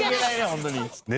ホントに」